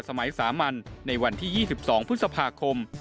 สมัยสามัญในวันที่๒๒พฤษภาคม